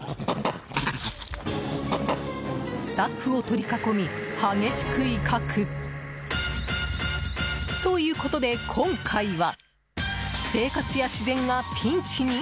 スタッフを取り囲み激しく威嚇！ということで、今回は生活や自然がピンチに？